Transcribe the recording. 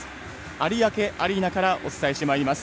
有明アリーナからお伝えしてまいります。